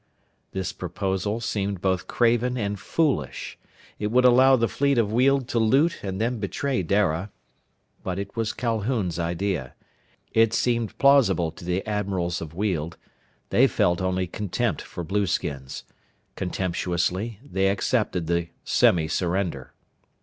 This proposal seemed both craven and foolish. It would allow the fleet of Weald to loot and then betray Dara. But it was Calhoun's idea. It seemed plausible to the admirals of Weald. They felt only contempt for blueskins. Contemptuously, they accepted the semi surrender.